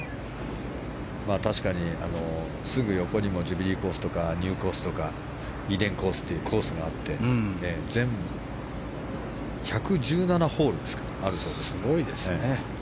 確かにすぐ横にもジュビリーコースとかニューコースとかイーデンコースというコースがあって全１１７ホールあるそうです。